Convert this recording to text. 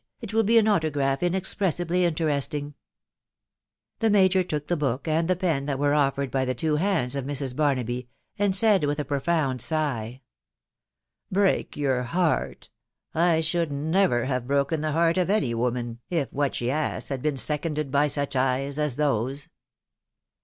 it will be an autograph inexpressibly interesting !" The major took the book and the pen that were offered by the two hands of Mrs. Barnaby, and said with a profound sigh, —" Break your heart !.... I should never have broken the heart of any woman, if what she asked had been seconded by such eyes as those